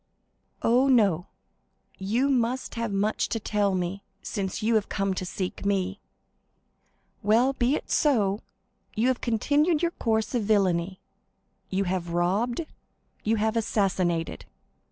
"Oh, no. You must have much to tell me, since you have come to seek me." 50155m "Well, be it so. You have continued your course of villany; you have robbed—you have assassinated."